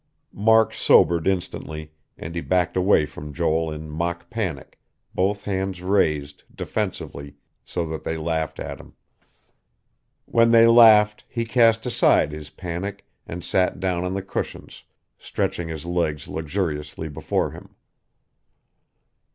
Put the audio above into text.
Mark sobered instantly, and he backed away from Joel in mock panic, both hands raised, defensively, so that they laughed at him. When they laughed, he cast aside his panic, and sat down on the cushions, stretching his legs luxuriously before him.